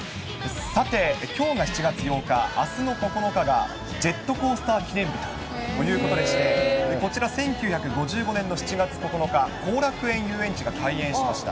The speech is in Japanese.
さて、きょうが７月８日、あすの９日がジェットコースター記念日ということで、こちら１９５５年の７月９日、後楽園ゆうえんちが開園しました。